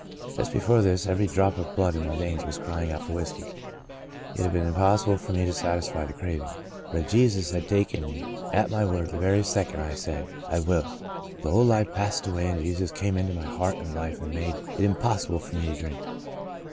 Just before this every drop of blood in my veins was crying out for whiskey. It had been impossible for me to satisfy the craving. But Jesus had taken me at my word the very second I said, * I will.' The old life passed away and Jesus came into my heart and life and made it impossible for me to drink.